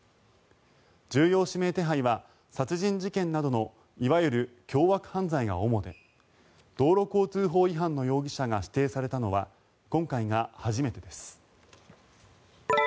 重要指名手配は殺人事件などのいわゆる凶悪犯罪が主で道路交通法違反の容疑者が指定されたのは今回が初めてです。